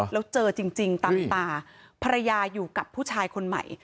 แล้วเจอจริงตามตาภรรยาอยู่กับผู้ชายคนใหม่